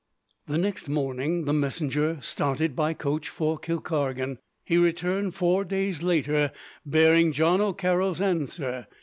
The next morning, the messenger started by coach for Kilkargan. He returned four days later, bearing John O'Carroll's answer.